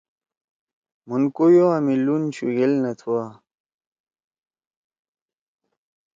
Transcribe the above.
مُھون کویوا می لُون شوگیل نہ تُھوا۔